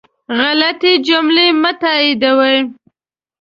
غلطي جملې مه تائیدوئ